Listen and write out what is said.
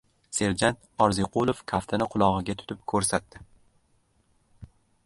Serjant Orziqulov kaftini qulog‘iga tutib ko‘rsatdi.